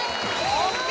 ＯＫ